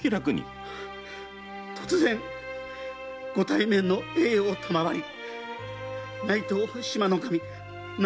突然ご対面の栄誉を賜り内藤志摩守直